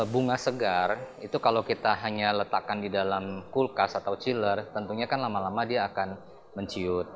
bunga segar itu kalau kita hanya letakkan di dalam kulkas atau chiller tentunya kan lama lama dia akan menciut